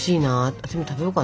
私も食べようかな。